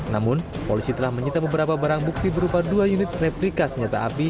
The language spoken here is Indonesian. namun polisi telah menyita beberapa barang bukti berupa dua unit replika senjata api